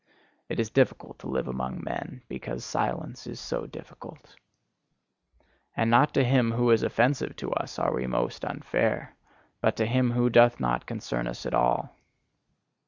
It is difficult to live among men because silence is so difficult. And not to him who is offensive to us are we most unfair, but to him who doth not concern us at all.